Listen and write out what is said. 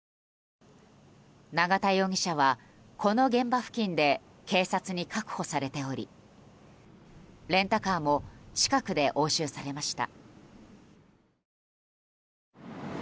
永田容疑者は、この現場付近で警察に確保されておりレンタカーも近くで押収されました。